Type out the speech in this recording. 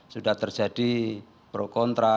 sudah terjadi pro kontra